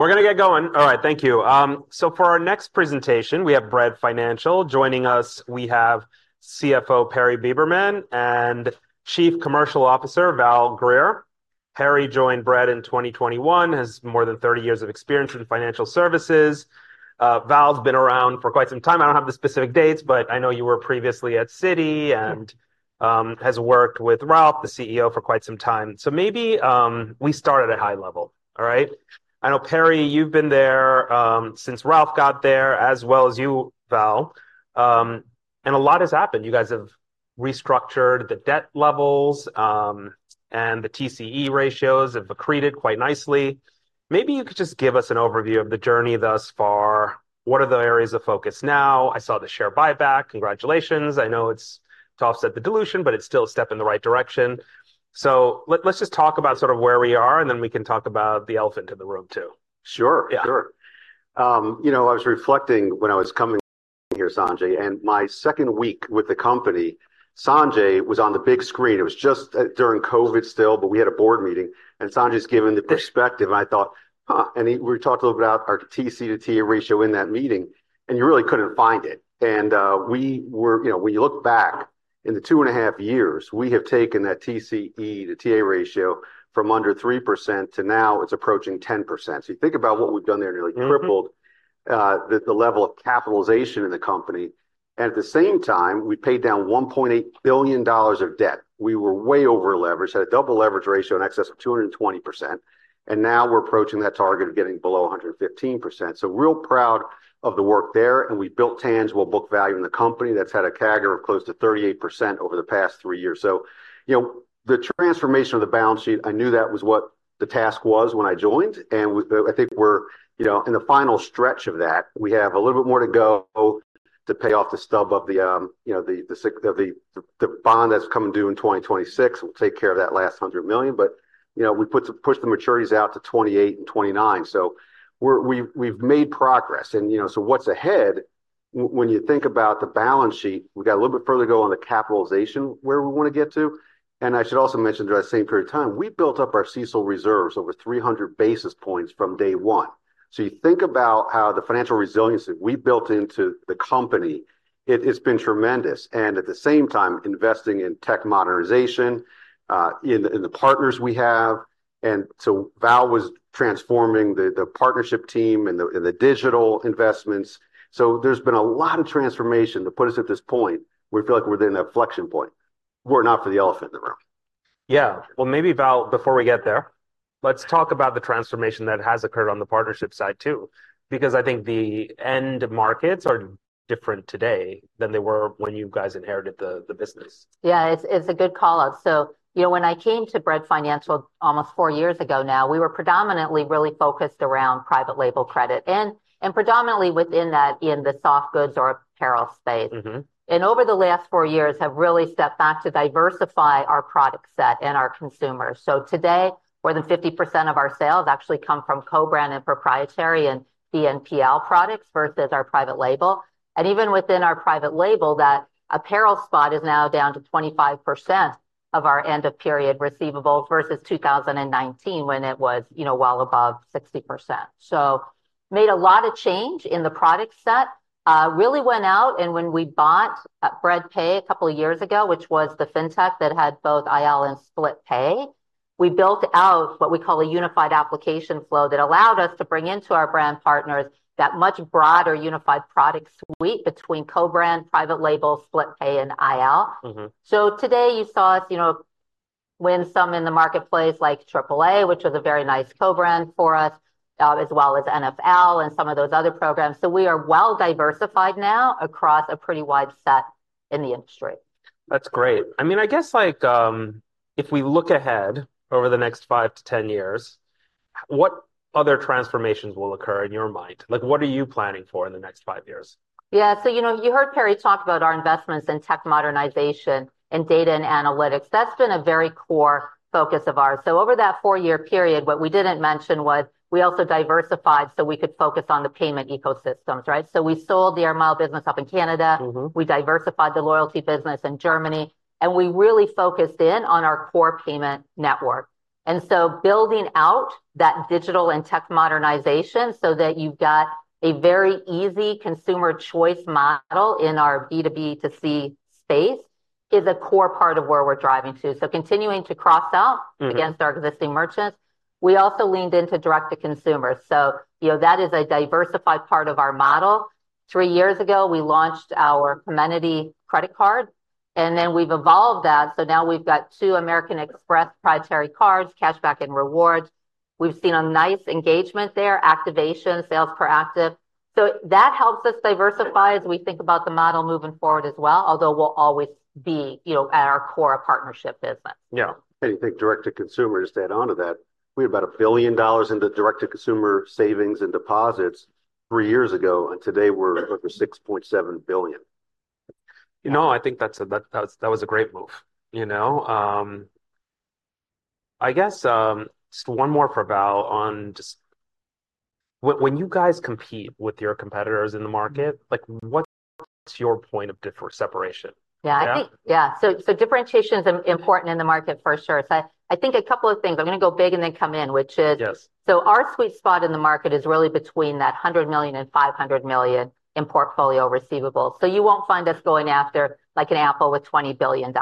We're going to get going. All right, thank you. So for our next presentation, we have Bread Financial joining us. We have CFO Perry Beberman and Chief Commercial Officer Val Greer. Perry joined Bread in 2021, has more than 30 years of experience in financial services. Val's been around for quite some time. I don't have the specific dates, but I know you were previously at Citi, and has worked with Ralph, the CEO, for quite some time. So maybe we start at a high level, all right? I know, Perry, you've been there since Ralph got there, as well as you, Val. A lot has happened. You guys have restructured the debt levels, and the TCE ratios have accreted quite nicely. Maybe you could just give us an overview of the journey thus far. What are the areas of focus now? I saw the share buyback. Congratulations. I know it's tough to set the dilution, but it's still a step in the right direction. Let's just talk about sort of where we are, and then we can talk about the elephant in the room too. Sure, sure. You know, I was reflecting when I was coming here, Sanjay, and my second week with the company, Sanjay was on the big screen. It was just during COVID still, but we had a board meeting, and Sanjay's given the perspective, and I thought, huh. We talked a little bit about our TCE to TA ratio in that meeting, and you really couldn't find it. We were, you know, when you look back in the 2.5 years, we have taken that TCE to TA ratio from under 3% to now it's approaching 10%. So you think about what we've done there, nearly tripled, the level of capitalization in the company. At the same time, we paid down $1.8 billion of debt. We were way over-leveraged, had a double leverage ratio in excess of 220%, and now we're approaching that target of getting below 115%. So real proud of the work there, and we built tangible book value in the company. That's had a CAGR of close to 38% over the past three years. So, you know, the transformation of the balance sheet, I knew that was what the task was when I joined, and I think we're, you know, in the final stretch of that. We have a little bit more to go to pay off the stub of the, you know, the bond that's coming due in 2026. We'll take care of that last $100 million, but, you know, we put the maturities out to 2028 and 2029. So we've made progress, and, you know, so what's ahead? When you think about the balance sheet, we've got a little bit further to go on the capitalization, where we want to get to. And I should also mention, during the same period of time, we built up our CECL reserves over 300 basis points from day one. So you think about how the financial resiliency we've built into the company, it's been tremendous. And at the same time, investing in tech modernization, in the partners we have. And so Val was transforming the partnership team and the digital investments. So there's been a lot of transformation to put us at this point where we feel like we're in that inflection point, worrying not for the elephant in the room. Yeah. Well, maybe, Val, before we get there, let's talk about the transformation that has occurred on the partnership side too, because I think the end markets are different today than they were when you guys inherited the business. Yeah, it's a good call-out. So, you know, when I came to Bread Financial almost four years ago now, we were predominantly really focused around private label credit, and predominantly within that, in the soft goods or apparel space. And over the last four years, have really stepped back to diversify our product set and our consumers. So today, more than 50% of our sales actually come from co-brand and proprietary and BNPL products versus our private label. And even within our private label, that apparel spot is now down to 25% of our end-of-period receivables versus 2019 when it was, you know, well above 60%. So made a lot of change in the product set. Really went out, and when we bought Bread Pay a couple of years ago, which was the fintech that had both IL and SplitPay, we built out what we call a unified application flow that allowed us to bring into our brand partners that much broader unified product suite between co-brand, Private Label, SplitPay, and IL. So today you saw us, you know, win some in the marketplace like AAA, which was a very nice co-brand for us, as well as NFL and some of those other programs. So we are well diversified now across a pretty wide set in the industry. That's great. I mean, I guess, like, if we look ahead over the next 5-10-years, what other transformations will occur in your mind? Like, what are you planning for in the next 5 years? Yeah, so, you know, you heard Perry talk about our investments in tech modernization and data and analytics. That's been a very core focus of ours. So over that 4-year period, what we didn't mention was we also diversified so we could focus on the payment ecosystems, right? So we sold the AIR MILES business up in Canada. We diversified the loyalty business in Germany, and we really focused in on our core payment network. And so building out that digital and tech modernization so that you've got a very easy consumer choice model in our B2B to C space is a core part of where we're driving to. So continuing to cross out against our existing merchants, we also leaned into direct to consumers. So, you know, that is a diversified part of our model. Three years ago, we launched our Comenity credit card, and then we've evolved that. So now we've got two American Express proprietary cards, Cashback and Rewards. We've seen a nice engagement there, activation, sales proactive. So that helps us diversify as we think about the model moving forward as well, although we'll always be, you know, at our core partnership business. Yeah. You think direct to consumers, to add on to that, we had about $1 billion in the direct to consumer savings and deposits three years ago, and today we're over $6.7 billion. No, I think that's a great move, you know. I guess, just one more for Val on just when you guys compete with your competitors in the market, like, what's your point of separation? Yeah, I think, yeah, so differentiation is important in the market for sure. So I think a couple of things. I'm going to go big and then come in, which is so our sweet spot in the market is really between that $100 million-$500 million in portfolio receivables. So you won't find us going after, like, an Apple with $20 billion.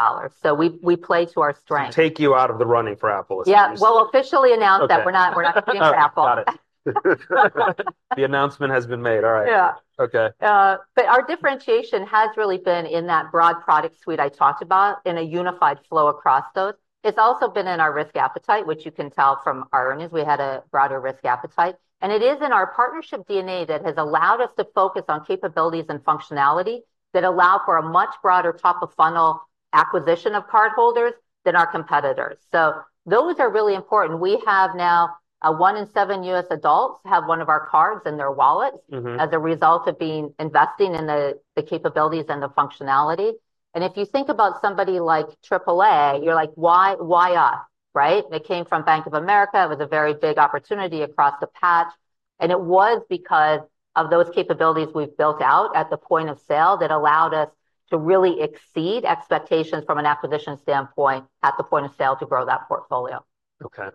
So we play to our strengths. Take you out of the running for Apple. Yeah, we'll officially announce that we're not competing for Apple. Got it. The announcement has been made. All right. Yeah. okay. But our differentiation has really been in that broad product suite I talked about, in a unified flow across those. It's also been in our risk appetite, which you can tell from our earnings. We had a broader risk appetite. And it is in our partnership DNA that has allowed us to focus on capabilities and functionality that allow for a much broader top-of-funnel acquisition of cardholders than our competitors. So those are really important. We have now one in seven U.S. adults have one of our cards in their wallets as a result of being investing in the capabilities and the functionality. And if you think about somebody like AAA, you're like, why us, right? It came from Bank of America. It was a very big opportunity across the patch. It was because of those capabilities we've built out at the point of sale that allowed us to really exceed expectations from an acquisition standpoint at the point of sale to grow that portfolio. Okay.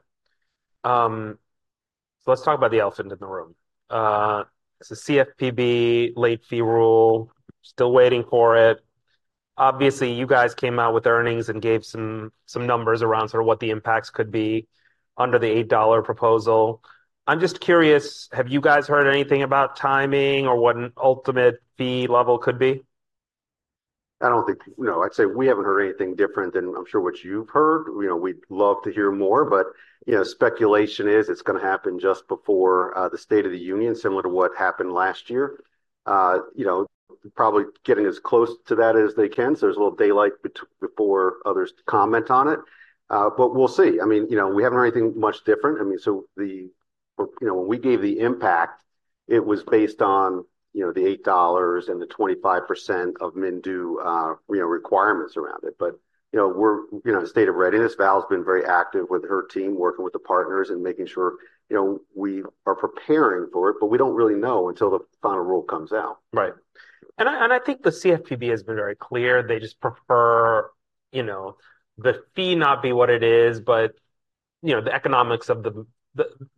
So let's talk about the elephant in the room. It's a CFPB late fee rule. Still waiting for it. Obviously, you guys came out with earnings and gave some numbers around sort of what the impacts could be under the $8 proposal. I'm just curious, have you guys heard anything about timing or what an ultimate fee level could be? I don't think, you know, I'd say we haven't heard anything different than I'm sure what you've heard. You know, we'd love to hear more, but, you know, speculation is it's going to happen just before the State of the Union, similar to what happened last year. You know, probably getting as close to that as they can, so there's a little daylight before others comment on it. But we'll see. I mean, you know, we haven't heard anything much different. I mean, so the, you know, when we gave the impact, it was based on, you know, the $8 and the 25% of min due, you know, requirements around it. But, you know, we're, you know, in a state of readiness. Val's been very active with her team, working with the partners and making sure, you know, we are preparing for it, but we don't really know until the final rule comes out. Right. And I think the CFPB has been very clear. They just prefer, you know, the fee not be what it is, but, you know, the economics of the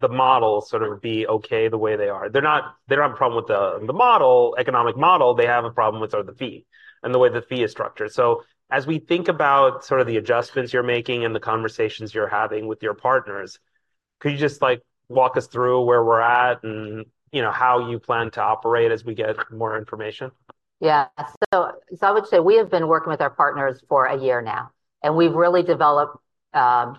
model sort of be okay the way they are. They're not, they're not in a problem with the model, economic model. They have a problem with sort of the fee and the way the fee is structured. So as we think about sort of the adjustments you're making and the conversations you're having with your partners, could you just, like, walk us through where we're at and, you know, how you plan to operate as we get more information? Yeah. So I would say we have been working with our partners for a year now, and we've really developed, you know,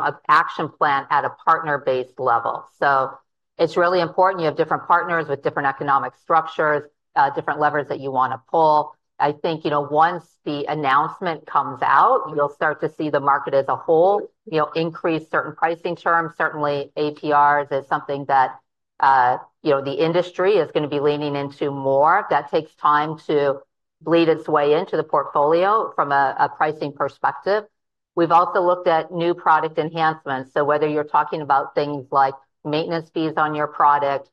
an action plan at a partner-based level. So it's really important. You have different partners with different economic structures, different levers that you want to pull. I think, you know, once the announcement comes out, you'll start to see the market as a whole, you know, increase certain pricing terms. Certainly, APRs is something that, you know, the industry is going to be leaning into more. That takes time to bleed its way into the portfolio from a pricing perspective. We've also looked at new product enhancements. So whether you're talking about things like maintenance fees on your product,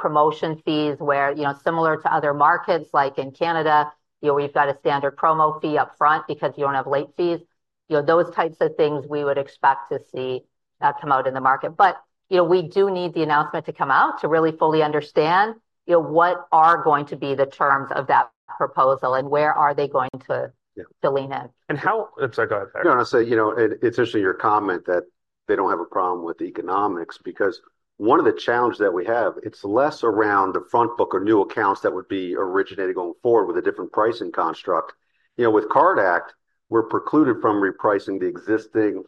promotion fees where, you know, similar to other markets, like in Canada, you know, we've got a standard promo fee up front because you don't have late fees. You know, those types of things we would expect to see come out in the market. But, you know, we do need the announcement to come out to really fully understand, you know, what are going to be the terms of that proposal and where are they going to lean in. And how? Sorry, go ahead. No, I'm going to say, you know, it's interesting your comment that they don't have a problem with the economics because one of the challenges that we have, it's less around the front book or new accounts that would be originating going forward with a different pricing construct. You know, with CARD Act, we're precluded from repricing the existing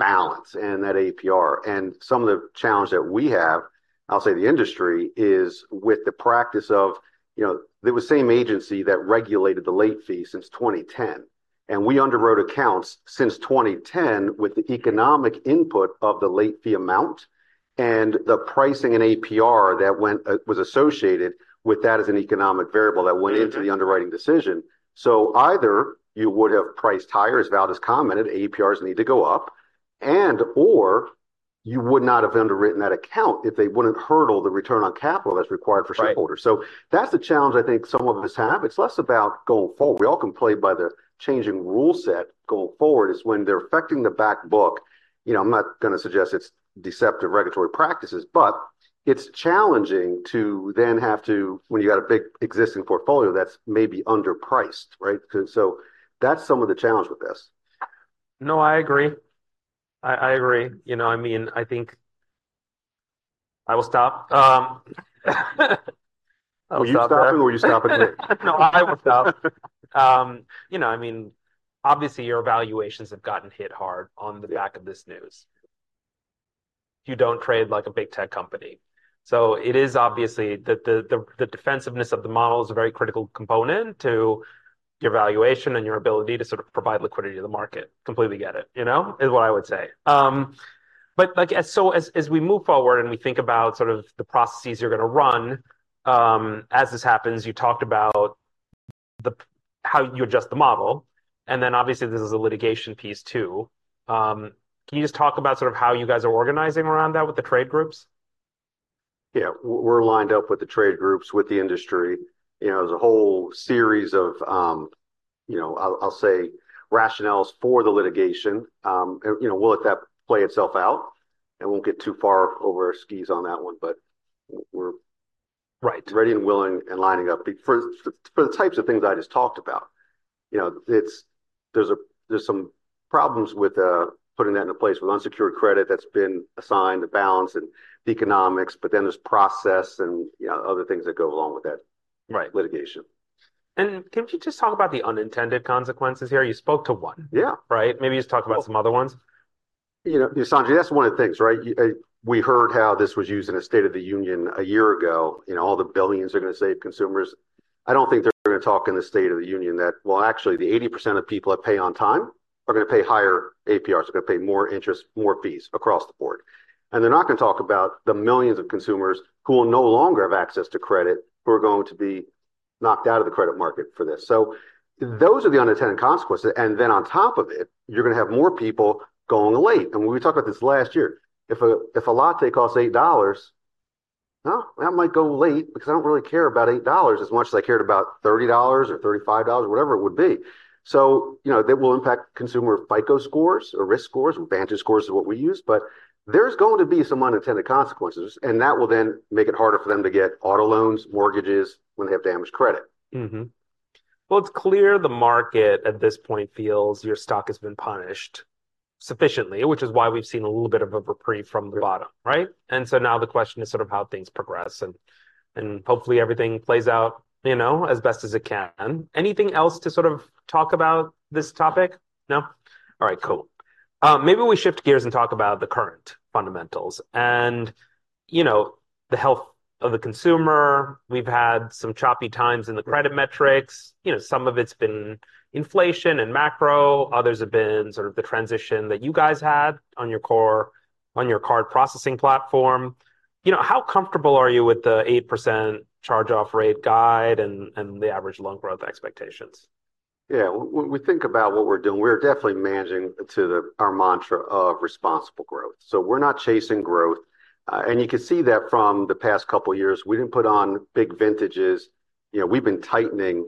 balance and that APR. And some of the challenge that we have, I'll say the industry, is with the practice of, you know, it was the same agency that regulated the late fee since 2010. And we underwrote accounts since 2010 with the economic input of the late fee amount and the pricing and APR that went was associated with that as an economic variable that went into the underwriting decision. So either you would have priced higher, as Val just commented, APRs need to go up, and/or you would not have underwritten that account if they wouldn't hurdle the return on capital that's required for shareholders. So that's the challenge I think some of us have. It's less about going forward. We all can play by the changing rule set going forward, is when they're affecting the back book. You know, I'm not going to suggest it's deceptive regulatory practices, but it's challenging to then have to, when you got a big existing portfolio that's maybe underpriced, right? So that's some of the challenge with this. No, I agree. I agree. You know, I mean, I think I will stop. Are you stopping or are you stopping me? No, I will stop. You know, I mean, obviously your valuations have gotten hit hard on the back of this news. You don't trade like a big tech company. So it is obviously that the defensiveness of the model is a very critical component to your valuation and your ability to sort of provide liquidity to the market. Completely get it, you know, is what I would say. But like, so as we move forward and we think about sort of the processes you're going to run, as this happens, you talked about how you adjust the model. And then obviously this is a litigation piece too. Can you just talk about sort of how you guys are organizing around that with the trade groups? Yeah, we're lined up with the trade groups, with the industry. You know, there's a whole series of, you know, I'll say rationales for the litigation. You know, we'll let that play itself out. We'll get too far over our skis on that one, but we're ready and willing and lining up for the types of things I just talked about. You know, there's some problems with putting that into place with unsecured credit that's been assigned, the balance and the economics, but then there's process and, you know, other things that go along with that litigation. Can you just talk about the unintended consequences here? You spoke to one, right? Maybe just talk about some other ones. You know, Sanjay, that's one of the things, right? We heard how this was used in a State of the Union a year ago. You know, all the billions they're going to save consumers. I don't think they're going to talk in the State of the Union that, well, actually, the 80% of people that pay on time are going to pay higher APRs. They're going to pay more interest, more fees across the board. And they're not going to talk about the millions of consumers who will no longer have access to credit who are going to be knocked out of the credit market for this. So those are the unintended consequences. And then on top of it, you're going to have more people going late. And we talked about this last year. If a latte costs $8, well, that might go late because I don't really care about $8 as much as I cared about $30 or $35 or whatever it would be. So, you know, that will impact consumer FICO scores or risk scores. VantageScore is what we use. But there's going to be some unintended consequences, and that will then make it harder for them to get auto loans, mortgages when they have damaged credit. Well, it's clear the market at this point feels your stock has been punished sufficiently, which is why we've seen a little bit of a reprieve from the bottom, right? And so now the question is sort of how things progress. And hopefully everything plays out, you know, as best as it can. Anything else to sort of talk about this topic? No? All right, cool. Maybe we shift gears and talk about the current fundamentals and, you know, the health of the consumer. We've had some choppy times in the credit metrics. You know, some of it's been inflation and macro. Others have been sort of the transition that you guys had on your core on your card processing platform. You know, how comfortable are you with the 8% charge-off rate guide and the average loan growth expectations? Yeah, when we think about what we're doing, we're definitely managing to our mantra of responsible growth. So we're not chasing growth. You can see that from the past couple of years. We didn't put on big vintages. You know, we've been tightening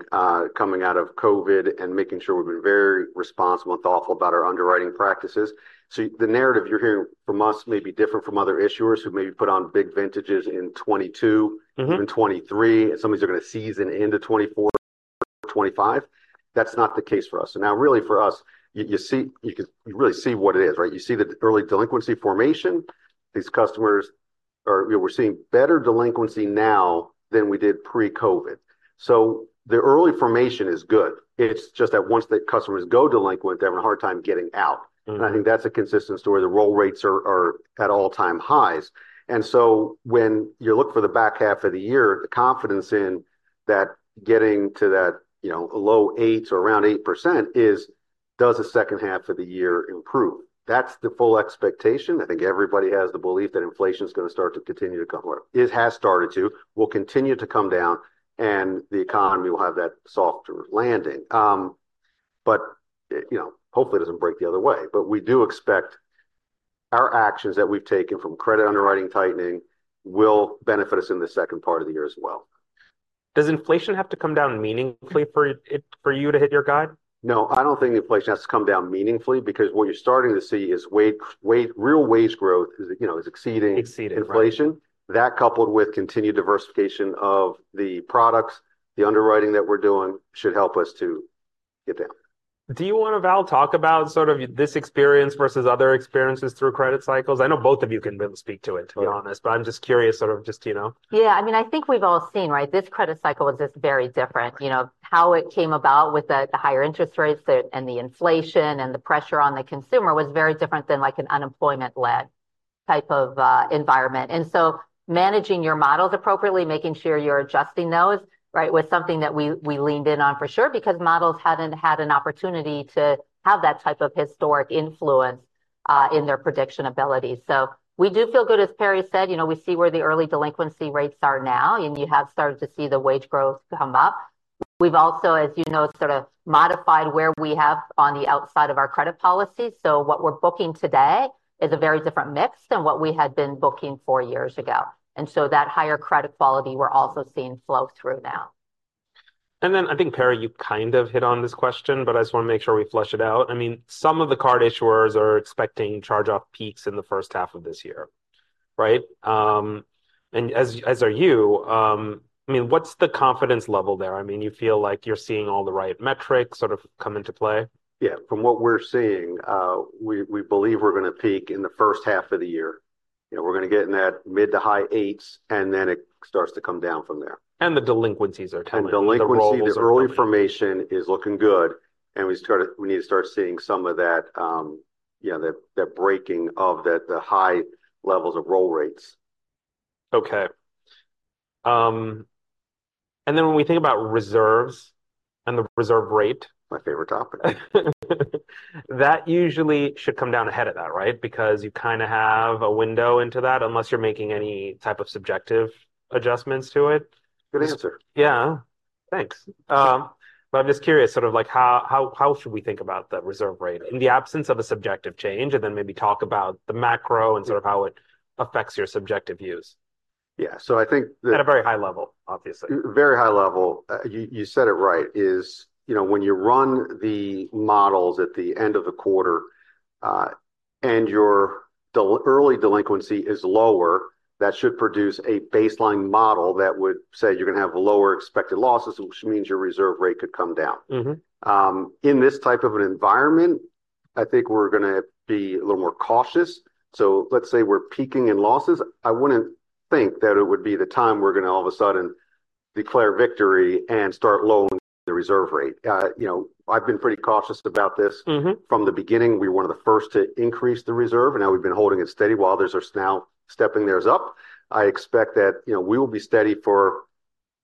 coming out of COVID and making sure we've been very responsible and thoughtful about our underwriting practices. So the narrative you're hearing from us may be different from other issuers who maybe put on big vintages in 2022, even 2023, and somebody's going to season into 2024 or 2025. That's not the case for us. So now really for us, you see, you can really see what it is, right? You see the early delinquency formation. These customers are, you know, we're seeing better delinquency now than we did pre-COVID. So the early formation is good. It's just that once the customers go delinquent, they have a hard time getting out. I think that's a consistent story. The roll rates are at all-time highs. So when you look for the back half of the year, the confidence in that getting to that, you know, low 8 or around 8% is, does the second half of the year improve? That's the full expectation. I think everybody has the belief that inflation is going to start to continue to come lower. It has started to. We'll continue to come down, and the economy will have that softer landing. You know, hopefully it doesn't break the other way. We do expect our actions that we've taken from credit underwriting tightening will benefit us in the second part of the year as well. Does inflation have to come down meaningfully for you to hit your guide? No, I don't think inflation has to come down meaningfully because what you're starting to see is real wage growth is, you know, exceeding inflation. That coupled with continued diversification of the products, the underwriting that we're doing should help us to get down. Do you want to, Val, talk about sort of this experience versus other experiences through credit cycles? I know both of you can really speak to it, to be honest, but I'm just curious sort of just, you know. Yeah, I mean, I think we've all seen, right? This credit cycle was just very different. You know, how it came about with the higher interest rates and the inflation and the pressure on the consumer was very different than like an unemployment-led type of environment. And so managing your models appropriately, making sure you're adjusting those, right, was something that we leaned in on for sure because models hadn't had an opportunity to have that type of historic influence in their prediction ability. So we do feel good, as Perry said. You know, we see where the early delinquency rates are now, and you have started to see the wage growth come up. We've also, as you know, sort of modified where we have on the outside of our credit policy. What we're booking today is a very different mix than what we had been booking four years ago. So that higher credit quality we're also seeing flow through now. And then I think, Perry, you kind of hit on this question, but I just want to make sure we flush it out. I mean, some of the card issuers are expecting charge-off peaks in the first half of this year, right? And as are you. I mean, what's the confidence level there? I mean, you feel like you're seeing all the right metrics sort of come into play? Yeah, from what we're seeing, we believe we're going to peak in the first half of the year. You know, we're going to get in that mid- to high-8s, and then it starts to come down from there. The delinquencies are telling us the roll rates. Delinquency, the early formation is looking good. We started, we need to start seeing some of that, you know, that breaking of the high levels of roll rates. Okay. And then when we think about reserves and the reserve rate. My favorite topic. That usually should come down ahead of that, right? Because you kind of have a window into that unless you're making any type of subjective adjustments to it. Good answer. Yeah. Thanks. But I'm just curious, sort of like how should we think about the reserve rate in the absence of a subjective change and then maybe talk about the macro and sort of how it affects your subjective views? Yeah. So I think. At a very high level, obviously. Very high level. You said it right is, you know, when you run the models at the end of the quarter and your early delinquency is lower, that should produce a baseline model that would say you're going to have lower expected losses, which means your reserve rate could come down. In this type of an environment, I think we're going to be a little more cautious. So let's say we're peaking in losses. I wouldn't think that it would be the time we're going to all of a sudden declare victory and start lowering the reserve rate. You know, I've been pretty cautious about this from the beginning. We were one of the first to increase the reserve, and now we've been holding it steady while others are now stepping theirs up. I expect that, you know, we will be steady for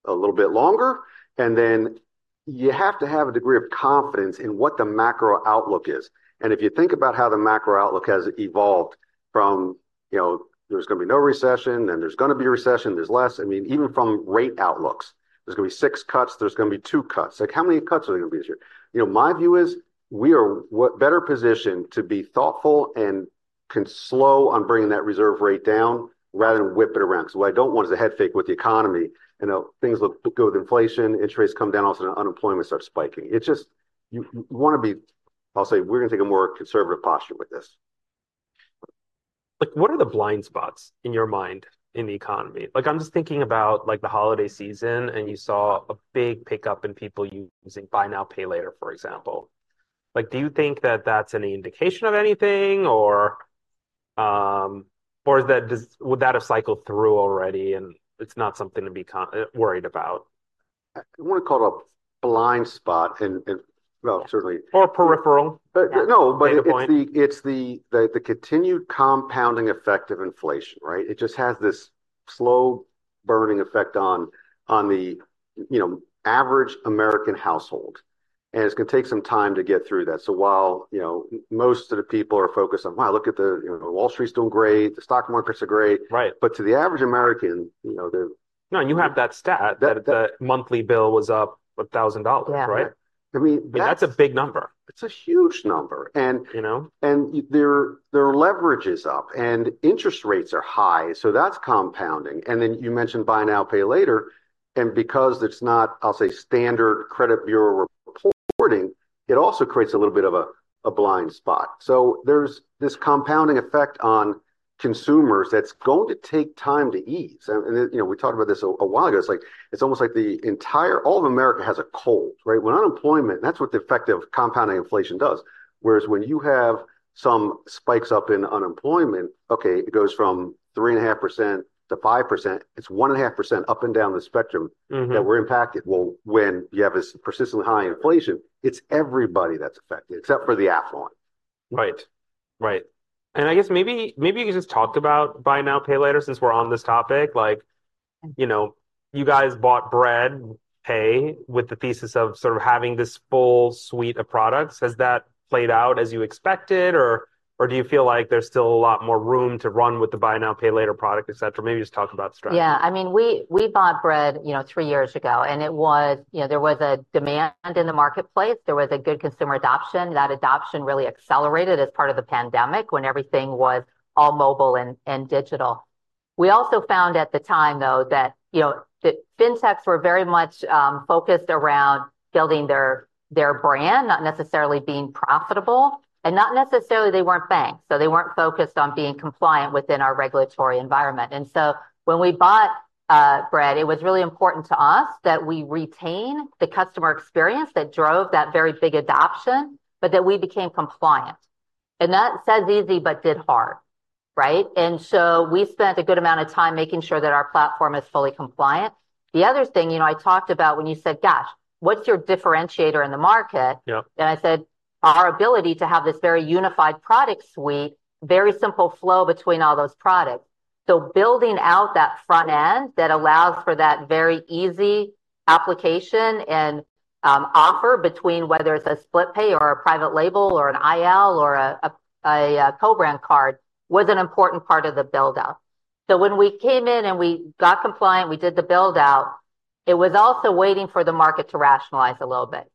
a little bit longer. And then you have to have a degree of confidence in what the macro outlook is. If you think about how the macro outlook has evolved from, you know, there's going to be no recession, then there's going to be a recession. There's less. I mean, even from rate outlooks, there's going to be six cuts. There's going to be two cuts. Like how many cuts are there going to be this year? You know, my view is we are better positioned to be thoughtful and can slow on bringing that reserve rate down rather than whip it around. Because what I don't want is a headfake with the economy. You know, things look good with inflation. Interest rates come down. Also, unemployment starts spiking. It's just you want to be, I'll say, we're going to take a more conservative posture with this. Like what are the blind spots in your mind in the economy? Like I'm just thinking about like the holiday season, and you saw a big pickup in people using Buy Now, Pay Later, for example. Like do you think that that's an indication of anything or would that have cycled through already and it's not something to be worried about? I want to call it a blind spot and certainly. Or peripheral. No, but it's the continued compounding effect of inflation, right? It just has this slow burning effect on the, you know, average American household. And it's going to take some time to get through that. So while, you know, most of the people are focused on, wow, look at the, you know, Wall Street's doing great. The stock markets are great. But to the average American, you know, they're. No, and you have that stat that the monthly bill was up $1,000, right? I mean, that's a big number. It's a huge number. You know, their leverage is up and interest rates are high. That's compounding. Then you mentioned Buy Now, Pay Later. Because it's not, I'll say, standard credit bureau reporting, it also creates a little bit of a blind spot. There's this compounding effect on consumers that's going to take time to ease. You know, we talked about this a while ago. It's like it's almost like the entire, all of America has a cold, right? When unemployment, that's what the effect of compounding inflation does. Whereas when you have some spikes up in unemployment, okay, it goes from 3.5%-5%. It's 1.5% up and down the spectrum that we're impacted. Well, when you have this persistently high inflation, it's everybody that's affected except for the affluent. Right. Right. And I guess maybe you could just talk about Buy Now, Pay Later since we're on this topic. Like, you know, you guys bought Bread Pay with the thesis of sort of having this full suite of products. Has that played out as you expected or do you feel like there's still a lot more room to run with the Buy Now, Pay Later product, et cetera? Maybe just talk about strategy. Yeah. I mean, we bought Bread, you know, 3 years ago, and it was, you know, there was a demand in the marketplace. There was a good consumer adoption. That adoption really accelerated as part of the pandemic when everything was all mobile and digital. We also found at the time, though, that, you know, the fintechs were very much focused around building their brand, not necessarily being profitable. And not necessarily they weren't banked. So they weren't focused on being compliant within our regulatory environment. And so when we bought Bread, it was really important to us that we retain the customer experience that drove that very big adoption, but that we became compliant. And that says easy, but did hard, right? And so we spent a good amount of time making sure that our platform is fully compliant. The other thing, you know, I talked about when you said, gosh, what's your differentiator in the market? And I said, our ability to have this very unified product suite, very simple flow between all those products. So building out that front end that allows for that very easy application and offer between whether it's a split pay or a private label or an IL or a co-brand card was an important part of the buildout. So when we came in and we got compliant, we did the buildout. It was also waiting for the market to rationalize a little bit.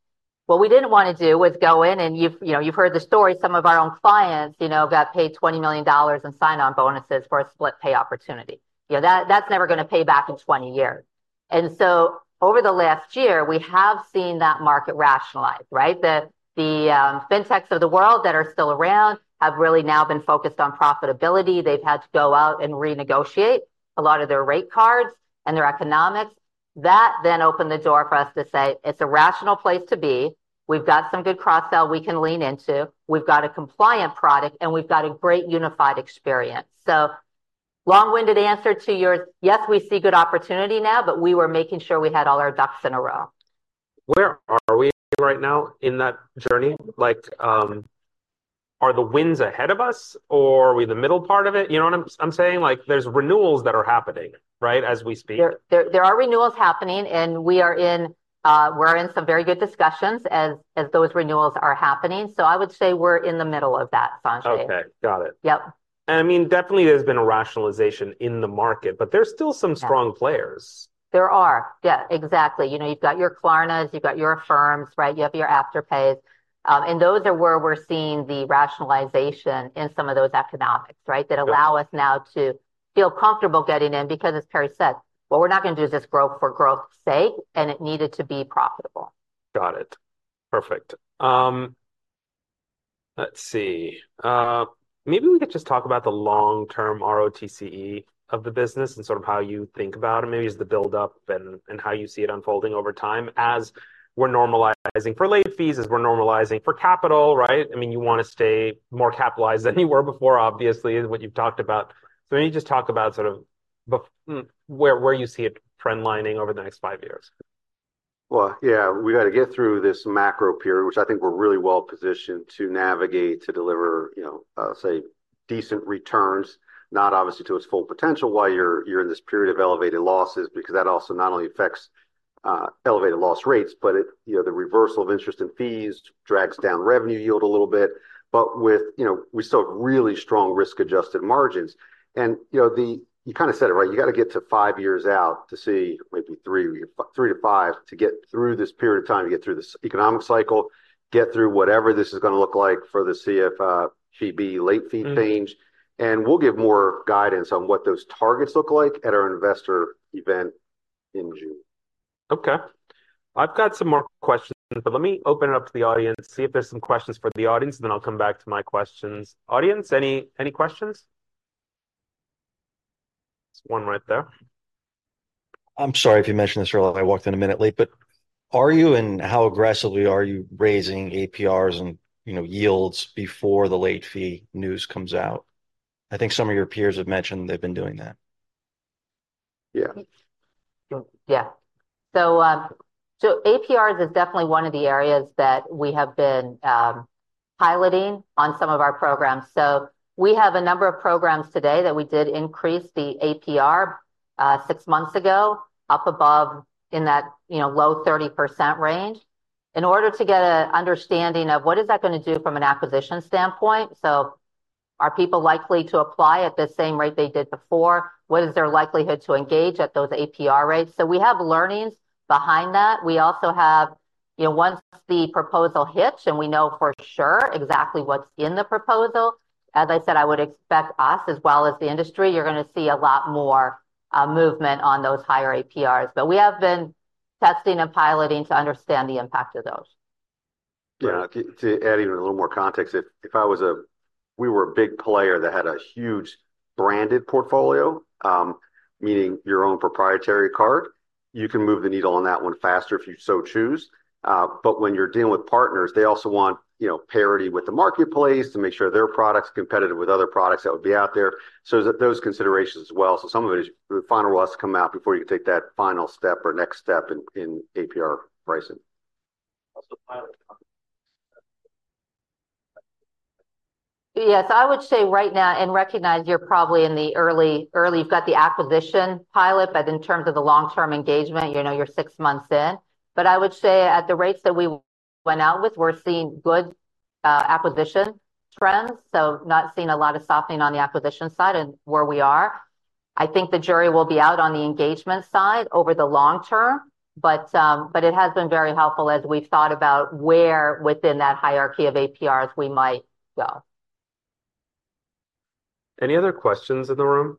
What we didn't want to do was go in and you've, you know, you've heard the story. Some of our own clients, you know, got paid $20 million in sign-on bonuses for a split pay opportunity. You know, that's never going to pay back in 20 years. And so over the last year, we have seen that market rationalize, right? The fintechs of the world that are still around have really now been focused on profitability. They've had to go out and renegotiate a lot of their rate cards and their economics. That then opened the door for us to say, it's a rational place to be. We've got some good cross-sell we can lean into. We've got a compliant product, and we've got a great unified experience. So long-winded answer to yours, yes, we see good opportunity now, but we were making sure we had all our ducks in a row. Where are we right now in that journey? Like, are the winds ahead of us or are we in the middle part of it? You know what I'm saying? Like, there's renewals that are happening, right, as we speak. There are renewals happening, and we're in some very good discussions as those renewals are happening. So I would say we're in the middle of that, Sanjay. Okay. Got it. Yep. I mean, definitely there's been a rationalization in the market, but there's still some strong players. There are. Yeah, exactly. You know, you've got your Klarna, you've got your Affirm, right? You have your Afterpay. And those are where we're seeing the rationalization in some of those economics, right, that allow us now to feel comfortable getting in because, as Perry said, what we're not going to do is just grow for growth's sake, and it needed to be profitable. Got it. Perfect. Let's see. Maybe we could just talk about the long-term ROTCE of the business and sort of how you think about it. Maybe it's the buildup and how you see it unfolding over time as we're normalizing for late fees, as we're normalizing for capital, right? I mean, you want to stay more capitalized than you were before, obviously, is what you've talked about. So maybe just talk about sort of where you see it trendlining over the next five years. Well, yeah, we got to get through this macro period, which I think we're really well positioned to navigate to deliver, you know, say, decent returns, not obviously to its full potential while you're in this period of elevated losses because that also not only affects elevated loss rates, but it, you know, the reversal of interest and fees drags down revenue yield a little bit. But with, you know, we still have really strong risk-adjusted margins. And, you know, you kind of said it, right? You got to get to five years out to see maybe three to five to get through this period of time, to get through this economic cycle, get through whatever this is going to look like for the CFPB late fee change. And we'll give more guidance on what those targets look like at our investor event in June. Okay. I've got some more questions, but let me open it up to the audience, see if there's some questions for the audience, and then I'll come back to my questions. Audience, any questions? One right there. I'm sorry if you mentioned this earlier. I walked in a minute late, but are you and how aggressively are you raising APRs and, you know, yields before the late fee news comes out? I think some of your peers have mentioned they've been doing that. Yeah. Yeah. So APRs is definitely one of the areas that we have been piloting on some of our programs. So we have a number of programs today that we did increase the APR 6 months ago up above in that, you know, low 30% range in order to get an understanding of what is that going to do from an acquisition standpoint? So are people likely to apply at the same rate they did before? What is their likelihood to engage at those APR rates? So we have learnings behind that. We also have, you know, once the proposal hits and we know for sure exactly what's in the proposal, as I said, I would expect us as well as the industry, you're going to see a lot more movement on those higher APRs. But we have been testing and piloting to understand the impact of those. Yeah. To add even a little more context, if we were a big player that had a huge branded portfolio, meaning your own proprietary card, you can move the needle on that one faster if you so choose. But when you're dealing with partners, they also want, you know, parity with the marketplace to make sure their product's competitive with other products that would be out there. So those considerations as well. So some of it is the final rules to come out before you can take that final step or next step in APR pricing. Yes, I would say right now and recognize you're probably in the early, you've got the acquisition pilot, but in terms of the long-term engagement, you know, you're six months in. But I would say at the rates that we went out with, we're seeing good acquisition trends. So not seeing a lot of softening on the acquisition side and where we are. I think the jury will be out on the engagement side over the long term, but it has been very helpful as we've thought about where within that hierarchy of APRs we might go. Any other questions in the room?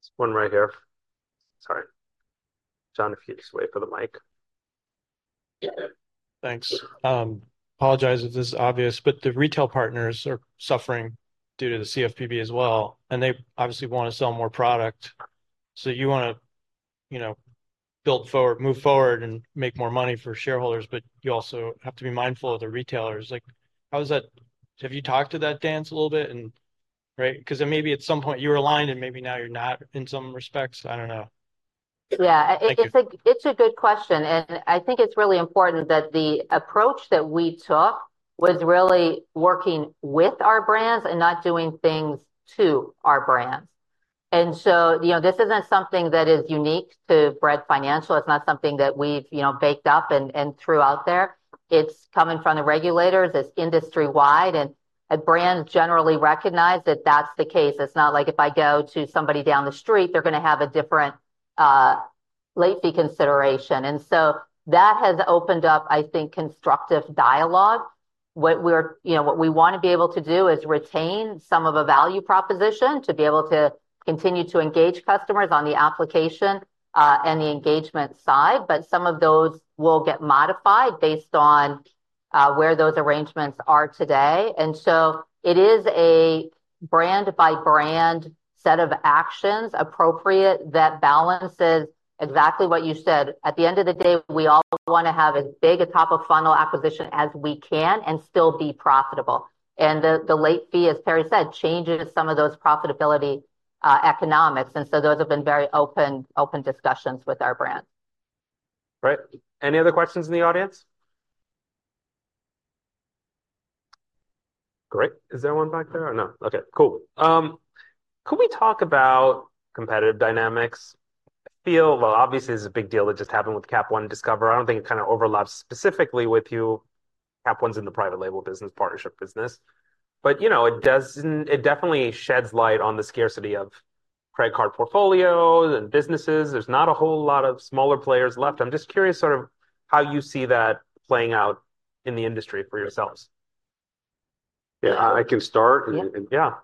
Just one right here. Sorry. John, if you could just wait for the mic. Yeah. Thanks. Apologize if this is obvious, but the retail partners are suffering due to the CFPB as well. And they obviously want to sell more product. So you want to, you know, build forward, move forward, and make more money for shareholders, but you also have to be mindful of the retailers. Like, how does that, have you talked to that dance a little bit and, right? Because maybe at some point you were aligned and maybe now you're not in some respects. I don't know. Yeah. It's a good question. I think it's really important that the approach that we took was really working with our brands and not doing things to our brands. So, you know, this isn't something that is unique to Bread Financial. It's not something that we've, you know, baked up and threw out there. It's coming from the regulators. It's industry-wide. Brands generally recognize that that's the case. It's not like if I go to somebody down the street, they're going to have a different late fee consideration. That has opened up, I think, constructive dialogue. What we're, you know, what we want to be able to do is retain some of a value proposition to be able to continue to engage customers on the application and the engagement side. But some of those will get modified based on where those arrangements are today. And so it is a brand-by-brand set of actions appropriate that balances exactly what you said. At the end of the day, we all want to have as big a top-of-funnel acquisition as we can and still be profitable. And the late fee, as Perry said, changes some of those profitability economics. And so those have been very open discussions with our brands. Great. Any other questions in the audience? Great. Is there one back there? Oh, no. Okay. Cool. Could we talk about competitive dynamics? I feel, well, obviously, it's a big deal that just happened with Capital One Discover. I don't think it kind of overlaps specifically with you. Capital One's in the private label business, partnership business. But, you know, it definitely sheds light on the scarcity of credit card portfolios and businesses. There's not a whole lot of smaller players left. I'm just curious sort of how you see that playing out in the industry for yourselves. Yeah. I can start. Yeah.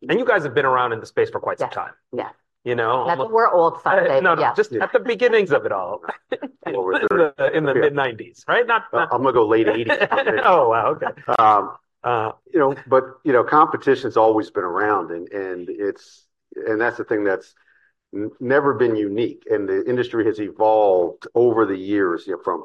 You guys have been around in the space for quite some time. Yeah. Yeah. We're old, Sanjay. No, no. Just at the beginnings of it all. In the mid-1990s, right? I'm going to go late 80s. Oh, wow. Okay. You know, but, you know, competition's always been around. That's the thing that's never been unique. The industry has evolved over the years, you know, from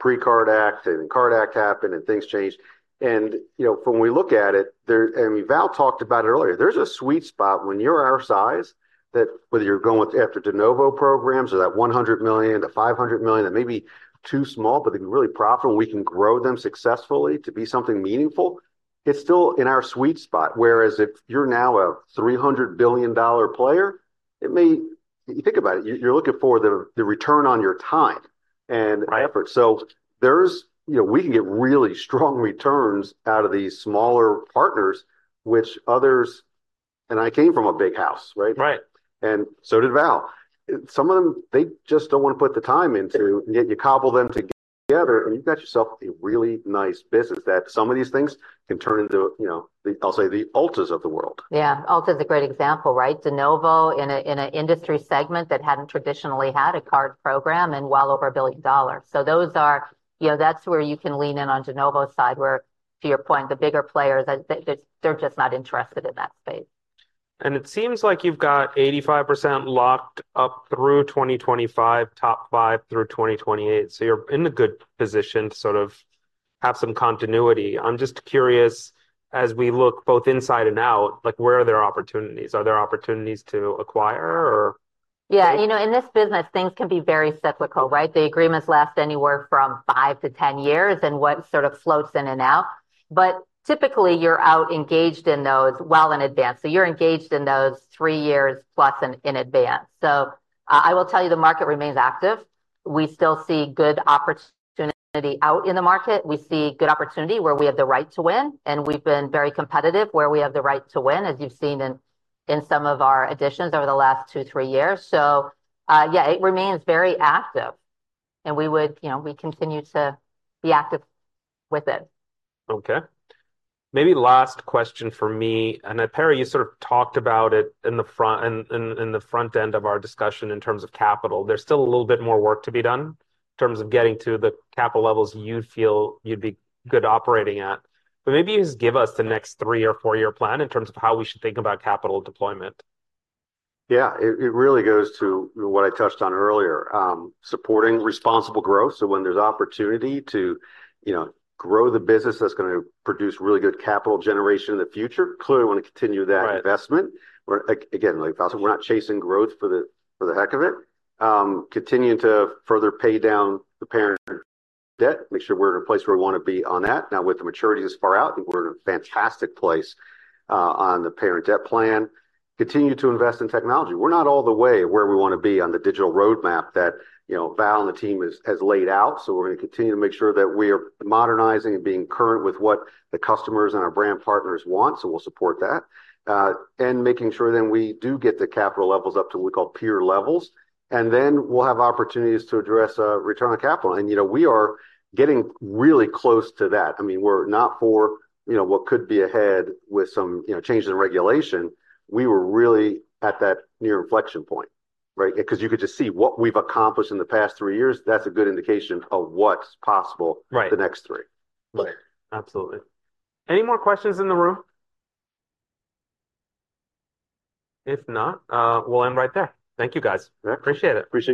pre-Card Act and then Card Act happened and things changed. You know, when we look at it, and Val talked about it earlier, there's a sweet spot when you're our size that whether you're going with after de novo programs or that $100 million-$500 million that may be too small, but they can be really profitable and we can grow them successfully to be something meaningful, it's still in our sweet spot. Whereas if you're now a $300 billion player, it may, you think about it, you're looking for the return on your time and effort. So there's, you know, we can get really strong returns out of these smaller partners, which others, and I came from a big house, right? Right. And so did Val. Some of them, they just don't want to put the time into, and yet you cobble them together and you've got yourself a really nice business that some of these things can turn into, you know, I'll say the Ultas of the world. Yeah. Ulta is a great example, right? de novo in an industry segment that hadn't traditionally had a card program and well over $1 billion. So those are, you know, that's where you can lean in on de novo's side where, to your point, the bigger players, they're just not interested in that space. It seems like you've got 85% locked up through 2025, top five through 2028. You're in a good position to sort of have some continuity. I'm just curious, as we look both inside and out, like where are there opportunities? Are there opportunities to acquire or? Yeah. You know, in this business, things can be very cyclical, right? The agreements last anywhere from 5-10-years and what sort of floats in and out. But typically, you're out engaged in those well in advance. So you're engaged in those three years plus in advance. So I will tell you, the market remains active. We still see good opportunity out in the market. We see good opportunity where we have the right to win. And we've been very competitive where we have the right to win, as you've seen in some of our additions over the last 2-3-years. So yeah, it remains very active. And we would, you know, we continue to be active with it. Okay. Maybe last question for me. And Perry, you sort of talked about it in the front end of our discussion in terms of capital. There's still a little bit more work to be done in terms of getting to the capital levels you feel you'd be good operating at. But maybe you just give us the next three- or four-year plan in terms of how we should think about capital deployment. Yeah. It really goes to what I touched on earlier. Supporting responsible growth. So when there's opportunity to, you know, grow the business that's going to produce really good capital generation in the future, clearly want to continue that investment. Again, like Val, we're not chasing growth for the heck of it. Continue to further pay down the parent debt. Make sure we're in a place where we want to be on that. Now, with the maturity this far out, I think we're in a fantastic place on the parent debt plan. Continue to invest in technology. We're not all the way where we want to be on the digital roadmap that, you know, Val and the team has laid out. So we're going to continue to make sure that we are modernizing and being current with what the customers and our brand partners want. So we'll support that. Making sure then we do get the capital levels up to what we call peer levels. Then we'll have opportunities to address return on capital. And, you know, we are getting really close to that. I mean, we're not far, you know, from what could be ahead with some, you know, changes in regulation. We were really at that near inflection point, right? Because you could just see what we've accomplished in the past three years. That's a good indication of what's possible the next three. Right. Absolutely. Any more questions in the room? If not, we'll end right there. Thank you, guys. Appreciate it.